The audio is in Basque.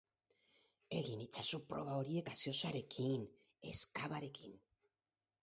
Egin itzazu proba horiek gaseosarekin ez cavarekin.